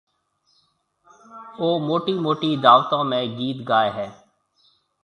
او موٽِي موٽِي دعوتون ۾ گِيت گائي هيَ۔